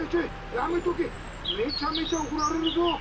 やめとけめちゃめちゃおこられるぞ！